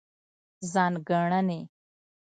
ځانګړنې: